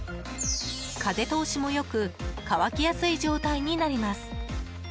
風通しも良く乾きやすい状態になります。